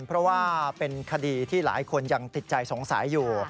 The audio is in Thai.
เพราะว่าเป็นคดีที่หลายคนยังติดใจสงสัยอยู่